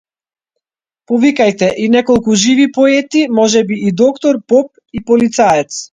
Повикајте и неколку живи поети, можеби и доктор, поп и полицаец.